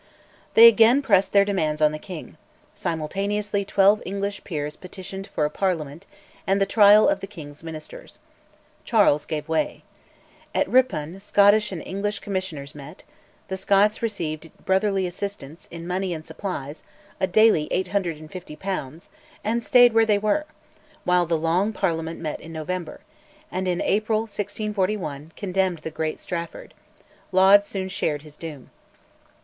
They again pressed their demands on the king; simultaneously twelve English peers petitioned for a parliament and the trial of the king's Ministers. Charles gave way. At Ripon Scottish and English commissioners met; the Scots received "brotherly assistance" in money and supplies (a daily 850 pounds), and stayed where they were; while the Long Parliament met in November, and in April 1641 condemned the great Strafford: Laud soon shared his doom.